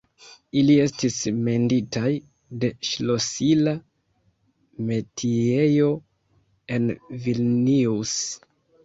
Ili estis menditaj de ŝlosila metiejo en Vilnius.